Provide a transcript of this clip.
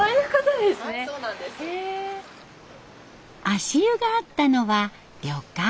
足湯があったのは旅館。